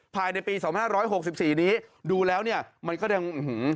ภายในปี๒๕๖๔นี้ดูแล้วเนี่ยมันก็ยังอื้อหือ